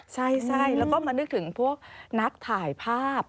ใช่แล้วก็มานึกถึงพวกนักถ่ายภาพ